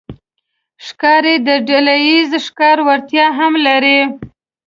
ښکاري د ډلهییز ښکار وړتیا هم لري.